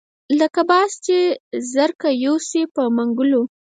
لکه باز چې زرکه یوسي په منګلو